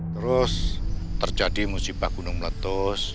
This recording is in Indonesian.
terus terjadi musibah gunung meletus